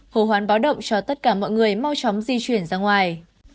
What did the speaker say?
hồ hoán báo động cho tất cả mọi người mau chóng di chuyển ra ngoài